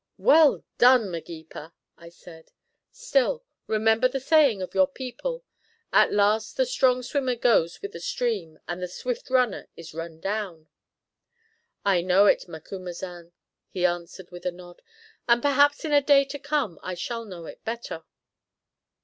"Well done, Magepa," I said. "Still, remember the saying of your people, 'At last the strong swimmer goes with the stream and the swift runner is run down.'" "I know it, Macumazahn," he answered, with a nod, "and perhaps in a day to come I shall know it better."